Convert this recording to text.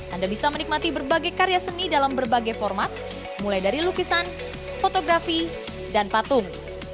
anda bisa menikmati berbagai karya seni dalam berbagai format mulai dari lukisan fotografi dan patung